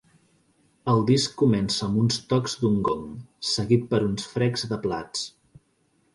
El disc comença amb uns tocs d'un gong, seguit per uns frecs de plats.